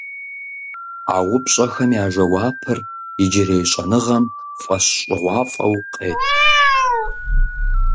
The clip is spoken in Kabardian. А упщӀэхэм я жэуапыр иджырей щӀэныгъэм фӀэщ щӀыгъуафӀэу къет.